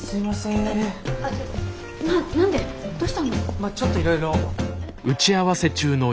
まあちょっといろいろ。